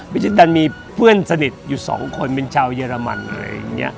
จิตตันมีเพื่อนสนิทอยู่สองคนเป็นชาวเยอรมันอะไรอย่างนี้